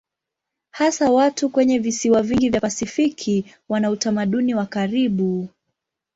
Hasa watu kwenye visiwa vingi vya Pasifiki wana utamaduni wa karibu.